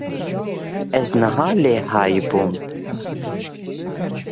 Ez niha lê hay bûm